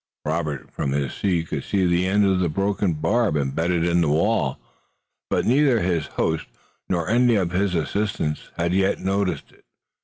Robert from his seat could see the end of the broken barb embedded in the wall, but neither mine host nor any of his assistants had yet noticed it.